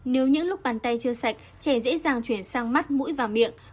nếu những lúc bàn tay chưa sạch trẻ dễ dàng chuyển sang mắt mũi và miệng